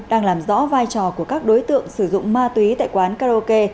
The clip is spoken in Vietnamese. đang làm rõ vai trò của các đối tượng sử dụng ma túy tại quán karaoke